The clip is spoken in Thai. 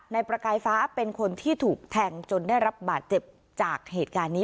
ประกายฟ้าเป็นคนที่ถูกแทงจนได้รับบาดเจ็บจากเหตุการณ์นี้